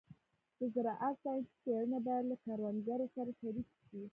د زراعت ساینسي څېړنې باید له کروندګرو سره شریکې شي.